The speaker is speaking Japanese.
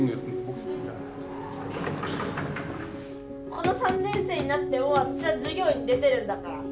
この３年生になっても私は授業に出てるんだから。